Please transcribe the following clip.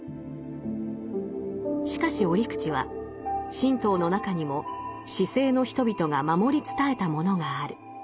しかし折口は神道の中にも市井の人々が守り伝えたものがある。